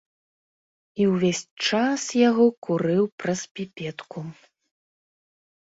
І ўвесь час яго курыў праз піпетку.